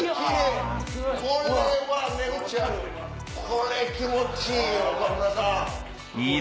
これ気持ちいい！